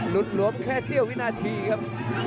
หลวมแค่เสี้ยววินาทีครับ